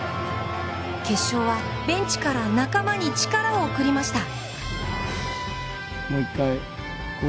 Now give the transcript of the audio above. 決勝はベンチから仲間に力を送りました。